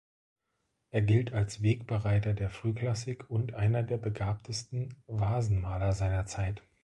Er gilt als Wegbereiter der Frühklassik und einer der begabtesten Vasenmaler seiner Zeit.